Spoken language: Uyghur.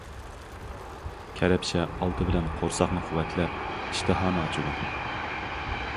كەرەپشە ئالدى بىلەن قورساقنى قۇۋۋەتلەپ، ئىشتىھانى ئاچىدۇ.